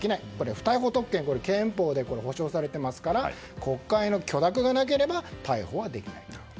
不逮捕特権憲法で保障されていますから国会の許諾がなければ逮捕できないと。